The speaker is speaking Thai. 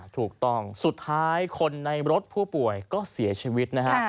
ถูกต้องสุดท้ายคนในรถผู้ป่วยก็เสียชีวิตนะฮะ